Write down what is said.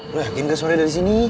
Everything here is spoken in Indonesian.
lo yakin gak suaranya dari sini